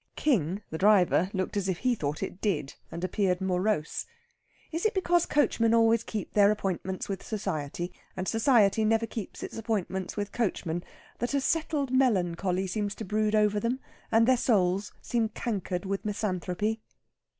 King, the driver, looked as if he thought it did, and appeared morose. Is it because coachmen always keep their appointments with society and society never keeps its appointments with coachmen that a settled melancholy seems to brood over them, and their souls seem cankered with misanthropy?